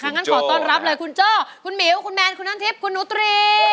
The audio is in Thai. งั้นขอต้อนรับเลยคุณโจ้คุณหมิวคุณแมนคุณน้ำทิพย์คุณหนูตรี